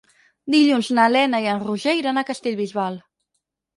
Dilluns na Lena i en Roger iran a Castellbisbal.